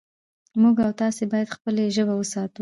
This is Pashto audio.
موږ او تاسې باید خپله ژبه وساتو